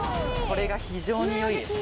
これが非常に良いです。